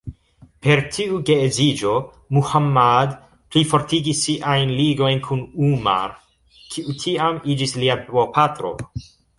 Per tiu geedziĝo, Muhammad plifortigis siajn ligojn kun Umar, kiu tiam iĝis lia bopatro.